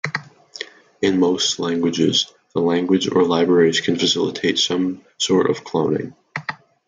In most languages, the language or libraries can facilitate some sort of cloning.